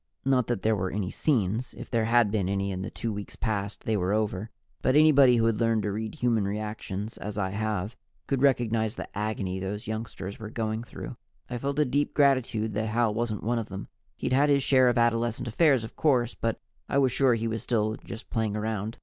Not that there were any scenes. If there had been any in the two weeks past, they were over. But anybody who has learned to read human reactions, as I have, could recognize the agony those youngsters were going through. I felt a deep gratitude that Hal wasn't one of them. He'd had his share of adolescent affairs, of course, but I was sure he was still just playing around.